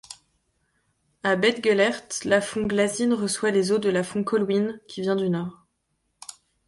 À Beddgelert, l'Afon Glaslyn reçoit les eaux de l'Afon Colwyn, qui vient du nord.